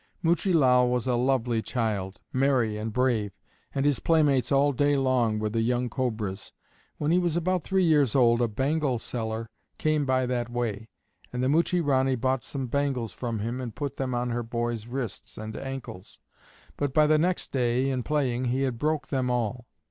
Muchie Lal was a lovely child, merry and brave, and his playmates all day long were the young Cobras. When he was about three years old a bangle seller came by that way, and the Muchie Ranee bought some bangles from him and put them on her boy's wrists and ankles; but by the next day, in playing, he had broke them all.